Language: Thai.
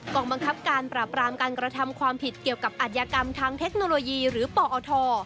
กองบังคับการปราบรามการกระทำความผิดเกี่ยวกับอัธยากรรมทางเทคโนโลยีหรือปอท